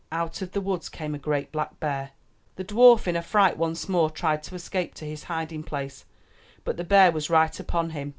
Out of the woods came a great black bear. The dwarf in a fright once more tried to escape to his hiding place, but the bear was right upon him.